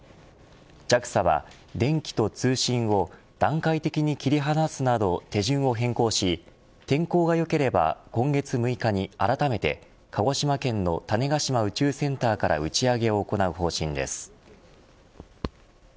ＪＡＸＡは電気と通信を段階的に切り離すなど手順を変更し天候が良ければ今月６日にあらためて鹿児島県の種子島宇宙センターから打ち上げを行う方針です。